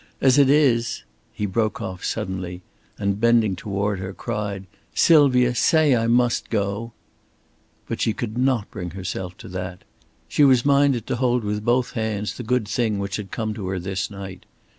As it is " He broke off suddenly, and bending toward her cried: "Sylvia, say that I must go." But she could not bring herself to that. She was minded to hold with both hands the good thing which had come to her this night.